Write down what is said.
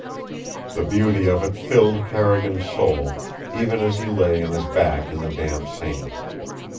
The beauty of it filled Carrigan's soul, even as he lay on his back in the damp sand.